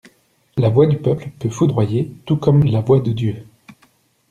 La voix du peuple peut foudroyer tout comme la voix de Dieu.